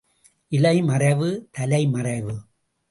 இலை மறைவு, தலை மறைவு.